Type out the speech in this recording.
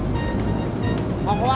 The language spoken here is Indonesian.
jangan deket warteg